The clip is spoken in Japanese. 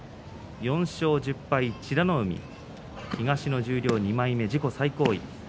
４勝１０敗の美ノ海東の２枚目、自己最高位。